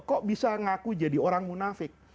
kok bisa ngaku jadi orang munafik